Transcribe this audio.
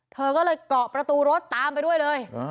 เธอก็เลยเกาะประตูรถตามไปด้วยเลย